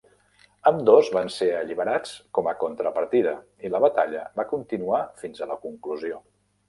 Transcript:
Ambdós van ser alliberats com a contrapartida i la batalla va continuar fins a la conclusió.